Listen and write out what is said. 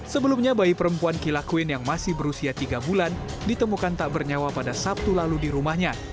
sebelumnya bayi perempuan kilakuin yang masih berusia tiga bulan ditemukan tak bernyawa pada sabtu lalu di rumahnya